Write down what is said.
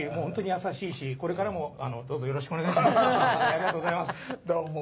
ありがとうございます。